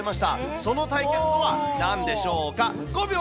その対決とはなんでしょうか？